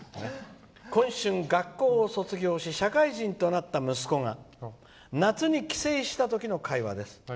「今春、学校を卒業し社会人となった息子が夏に帰省した時の会話です。